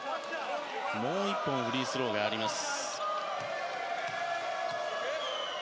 もう１本フリースローがあります。